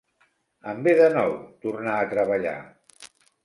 Em ve de nou, tornar a treballar.